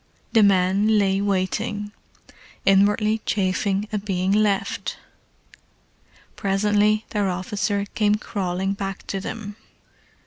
The men lay waiting, inwardly chafing at being left. Presently their officer came crawling back to them.